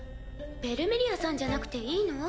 ベルメリアさんじゃなくていいの？